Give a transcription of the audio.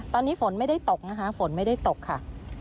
ตอนนี้ฝนไม่ได้ตกนะคะฝนไม่ได้ตกค่ะ